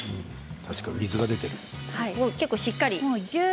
確かに水が出ている。